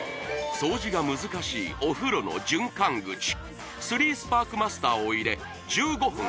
掃除が難しいお風呂の循環口３スパークマスターを入れ１５分